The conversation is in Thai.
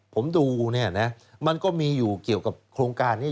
ผมดูเนี่ยนะมันก็มีอยู่เกี่ยวกับโครงการนี้